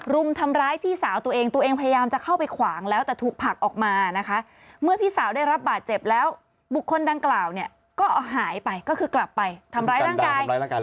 รุมทำร้ายพี่สาวตัวเองตัวเองพยายามจะเข้าไปขวางแล้วแต่ถูกผลักออกมานะคะเมื่อพี่สาวได้รับบาดเจ็บแล้วบุคคลดังกล่าวเนี่ยก็หายไปก็คือกลับไปทำร้ายร่างกาย